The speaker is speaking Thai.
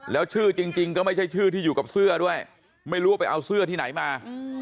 แล้วชื่อจริงก็ไม่ใช่ชื่อที่อยู่กับเสื้อด้วยไม่รู้ว่าไปเอาเสื้อที่ไหนมา